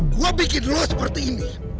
gua bikin lo seperti ini